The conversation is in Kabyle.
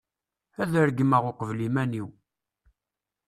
ad regmeɣ uqbel iman-iw